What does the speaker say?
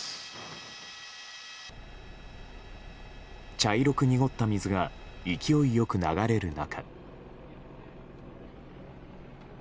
茶色く濁った水が勢いよく流れる中。